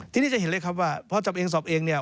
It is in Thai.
ทีนี้จะเห็นเลยครับว่าพอจับเองสอบเองเนี่ย